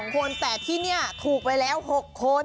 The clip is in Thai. คนแต่ที่นี่ถูกไปแล้ว๖คน